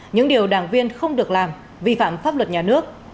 những điều đảng viên không được làm vi phạm pháp luật nhà nước